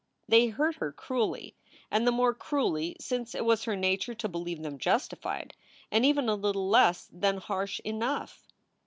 They hurt her cruelly, and the more cruelly since it was her nature to believe them justified and even a little less than harsh enough.